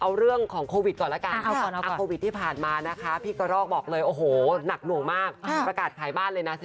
เอาเรื่องของโควิดก่อนแล้วกัน